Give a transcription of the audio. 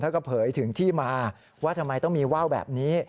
แล้วก็เผยถึงที่มาว่าทำไมต้องมีว่าวแบบนี้